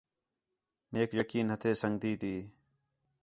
میک یقین ہتھے سنڳتی تی